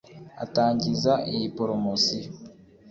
Atangiza iyi poromosiyo